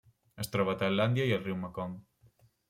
Es troba a Tailàndia i al riu Mekong.